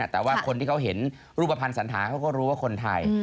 แต่ว่าคนที่เขาเห็นรูปภัณฑ์สันธาเขาก็รู้ว่าคนไทย